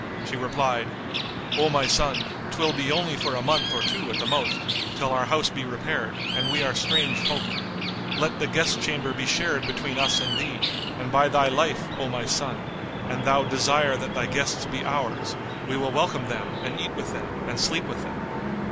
She replied, "O my son, 'twill be only for a month or two at the most, till our house be repaired, and we are strange folk. Let the guest chamber be shared between us and thee, and by thy life, O my son, an thou desire that thy guests be ours, we will welcome them and eat with them and sleep with them."